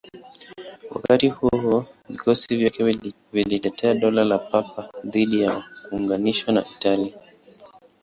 Wakati huo huo, vikosi vyake vilitetea Dola la Papa dhidi ya kuunganishwa na Italia.